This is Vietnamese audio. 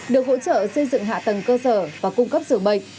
được hỗ trợ xây dựng hạ tầng cơ sở và cung cấp rượu bệnh